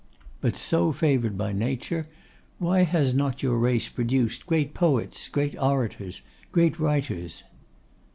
'But so favoured by Nature, why has not your race produced great poets, great orators, great writers?